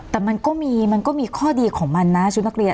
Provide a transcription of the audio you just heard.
แต่มันก็มีมันก็มีข้อดีของมันนะชุดนักเรียน